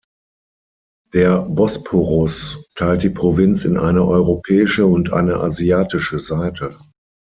Der Bosporus teilt die Provinz in eine europäische und eine asiatische Seite.